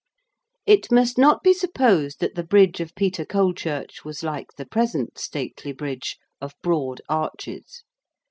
It must not be supposed that the Bridge of Peter Colechurch was like the present stately Bridge of broad arches.